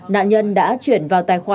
nạn nhân đã chuyển vào tài khoản